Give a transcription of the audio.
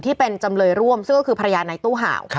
จำเลยร่วมซึ่งก็คือภรรยาในตู้ห่าว